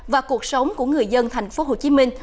và cuộc sống của người dân thành phố hồ chí minh